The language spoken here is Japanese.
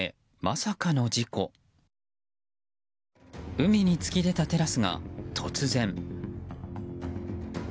海に突き出たテラスが突然。